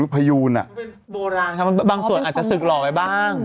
พยูนโบราณครับบางส่วนอาจจะศึกหล่อไว้บ้าง